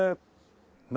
何？